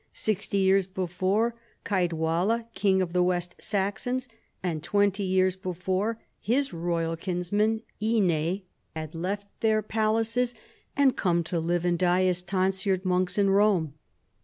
Sixty years before, Cead walla, King of the West Saxons, and twenty years before, his royal kinsman Ine had left their palaces and come to live and die as tonsured monks in Rome.